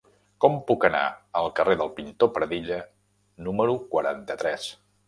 Com puc anar al carrer del Pintor Pradilla número quaranta-tres?